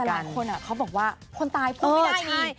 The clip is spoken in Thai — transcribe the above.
แต่หลายคนอ่ะเขาบอกว่าคนตายพูดไม่ได้ดี